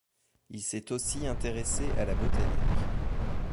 Il s'est aussi intéressé à la botanique.